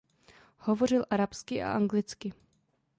Hovořil arabsky a anglicky.